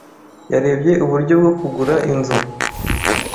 Yarebye uburyo bwo kugura inzu.